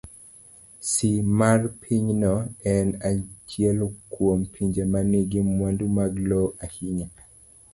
C. mar Pinyno en achiel kuom pinje ma nigi mwandu mag lowo ahinya.